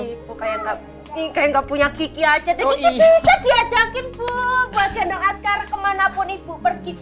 ibu kayak nggak punya kiki aja tapi bisa diajakin bu buat gendong askara kemanapun ibu pergi